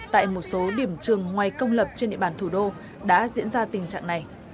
tại một số điểm trường ngoài công lập trên địa bàn thủ đô đã diễn ra tình trạng này